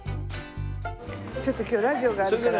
ちょっと今日ラジオがあるから。